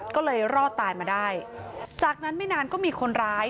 ก็เลยรอดตายมาได้จากนั้นไม่นานก็มีคนร้าย